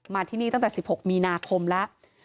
ที่นี่ตั้งแต่๑๖มีนาคมแล้ว